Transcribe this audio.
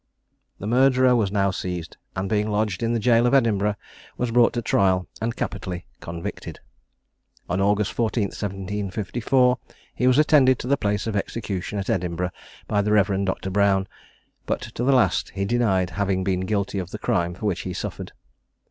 The murderer was now seized, and being lodged in the jail of Edinburgh, was brought to trial and capitally convicted. On August the 14th, 1754, he was attended to the place of execution at Edinburgh by the Rev. Dr. Brown; but to the last he denied having been guilty of the crime for which he suffered.